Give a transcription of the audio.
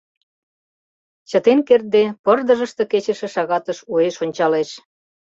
Чытен кертде, пырдыжыште кечыше шагатыш уэш ончалеш.